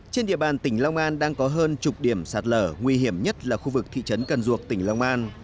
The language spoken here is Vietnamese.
trên địa bàn tỉnh long an đang có hơn chục điểm sạt lở nguy hiểm nhất là khu vực thị trấn cần duộc tỉnh long an